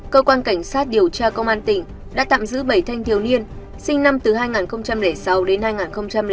cơ quan cảnh sát điều tra công an tỉnh đã tạm giữ bảy thanh thiếu niên sinh năm hai nghìn sáu đến hai nghìn sáu